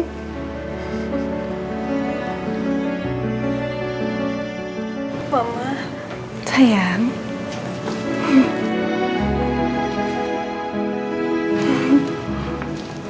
selamat tahunnya anak mama ya